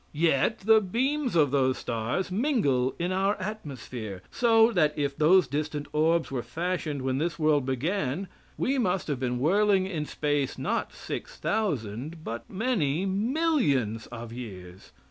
Yet the beams of those stars mingle in our atmosphere, so that if those distant orbs were fashioned when this world began, we must have been whirling in space not six thousand, but many millions of years.